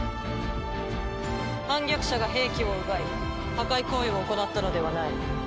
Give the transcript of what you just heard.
反逆者が兵器を奪い破壊行為を行ったのではない。